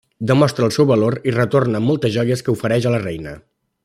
Demostra el seu valor i retorna amb moltes joies que ofereix a la reina.